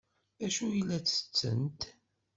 D acu ay la ttettent?